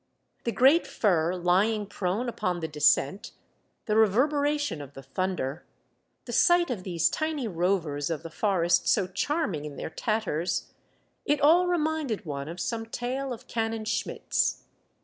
The great fir lying prone upon the descent, the reverberation of the thunder, the sight of these tiny rovers of the forest so charming in their tatters, — it all reminded one of some tale of Canon Schmidt's.